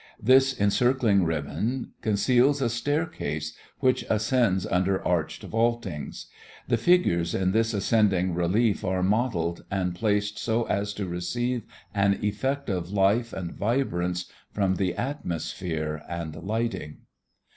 This encircling ribband conceals a staircase which ascends under arched vaultings. The figures in this ascending relief are modeled and placed so as to receive an effect of life and vibrance from the atmosphere and lighting.